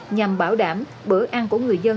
nhằm bảo đảm bữa ăn của người dân